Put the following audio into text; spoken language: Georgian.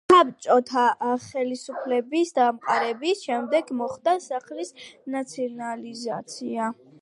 საბჭოთა ხელისუფლების დამყარების შემდეგ მოხდა სახლის ნაციონალიზაცია.